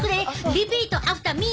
リピートアフターミー。